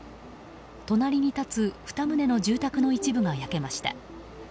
隣に立つ２棟の住宅の一部が焼けました。